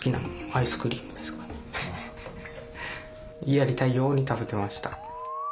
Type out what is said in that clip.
やりたいように食べてました。